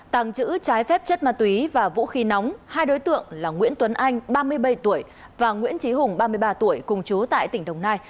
tàng trữ trái phép chất ma túy và vũ khí nóng hai đối tượng là nguyễn tuấn anh ba mươi bảy tuổi và nguyễn trí hùng ba mươi ba tuổi cùng chú tại tỉnh đồng nai